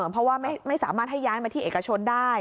เพราะว่าไม่สามารถให้ย้ายมาที่เอกชนได้